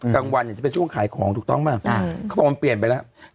กลางวันเนี่ยจะเป็นช่วงขายของถูกต้องป่ะเขาบอกมันเปลี่ยนไปแล้ว